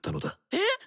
えっ